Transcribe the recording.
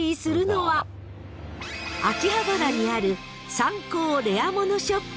［秋葉原にある］